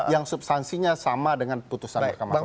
yang substansinya sama dengan putusan markamah konstitusi